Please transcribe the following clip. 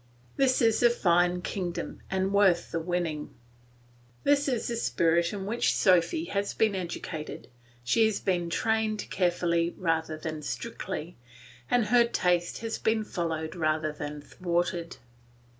This is a fine kingdom and worth the winning. This is the spirit in which Sophy has been educated, she has been trained carefully rather than strictly, and her taste has been followed rather than thwarted.